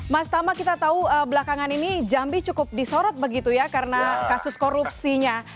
mas tama kita tahu belakangan ini jambi cukup disorot begitu ya karena kasus korupsinya